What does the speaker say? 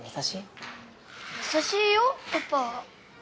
優しいよパパは。